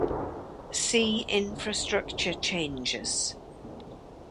See infrastructure changes